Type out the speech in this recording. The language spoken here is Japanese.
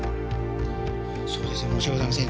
そうですね申し訳ございません。